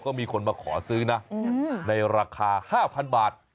ก็มีคนมาขอซื้อนะในราคา๕๐๐๐บาท